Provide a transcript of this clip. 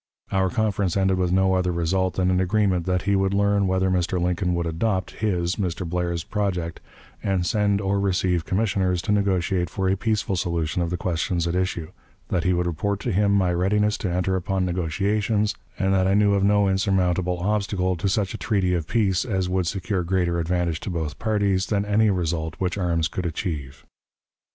Our conference ended with no other result than an agreement that he would learn whether Mr. Lincoln would adopt his (Mr. Blair's) project, and send or receive commissioners to negotiate for a peaceful solution of the questions at issue; that he would report to him my readiness to enter upon negotiations, and that I knew of no insurmountable obstacle to such a treaty of peace as would secure greater advantage to both parties than any result which arms could achieve.